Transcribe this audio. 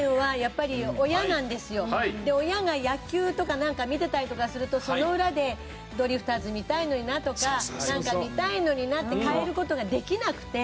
で親が野球とかなんか見てたりとかするとその裏でドリフターズ見たいのになとかなんか見たいのになって替える事ができなくて。